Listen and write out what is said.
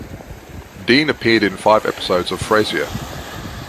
Dean appeared in five episodes of "Frasier".